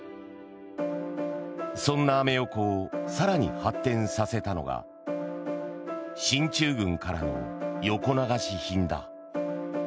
そんなアメ横を更に発展させたのが進駐軍からの横流し品だ。